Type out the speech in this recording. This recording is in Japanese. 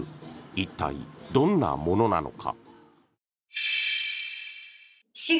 一体、どんなものなのか。